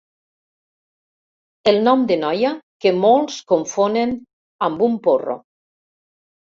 El nom de noia que molts confonen amb un porro.